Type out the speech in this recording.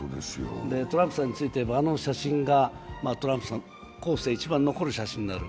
トランプさんについて、あの写真がトランプさん、後世に一番残る写真になる。